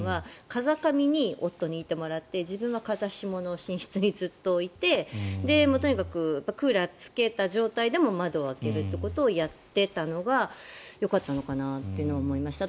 風上に夫にいてもらって自分は風下の寝室にずっといてとにかくクーラーをつけた状態でも窓を開けるということをやっていたのがよかったのかなっていうのを思いました。